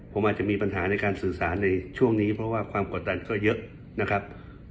ผมอาจจะมีปัญหาในการสื่อสารในช่วงนี้เพราะว่าความกดดันก็เยอะนะครับ